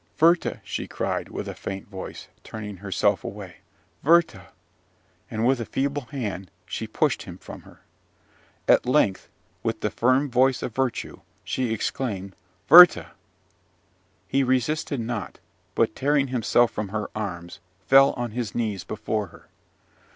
"Werther!" she cried with a faint voice, turning herself away; "Werther!" and, with a feeble hand, she pushed him from her. At length, with the firm voice of virtue, she exclaimed, "Werther!" He resisted not, but, tearing himself from her arms, fell on his knees before her.